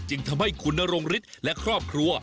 จึงทำให้คุณนรงฤทธิ์และครอบครัว